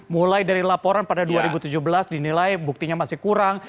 mulai dari laporan pada dua ribu tujuh belas dinilai buktinya masih kurang